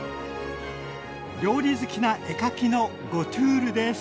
料理好きな絵描きのゴトゥールです。